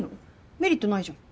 メリットないじゃん。